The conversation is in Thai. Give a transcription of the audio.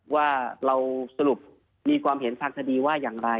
ว่าเราสรุปมีความเห็นทางคดีว่าอย่างไร